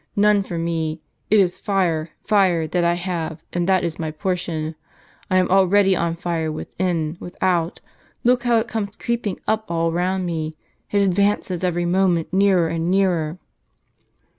none for me! It is fire! fire! that I have, and that is my por tion. I am already on fire, within, without ! Look how it comes creeping up, all round me, it advances every moment nearer and nearer